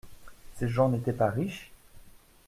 Ces gens n’étaient pas riches ?